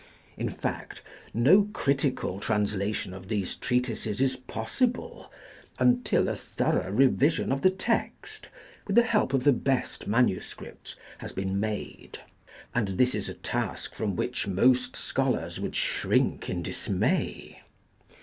In fact, no critical translation of these treatises is possible, until a thorough revision of the text, with the help of the best manuscripts, has been made; and this is a task from which most scholars would shrink in dismay.